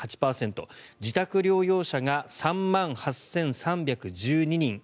自宅療養者が３万８３１２人。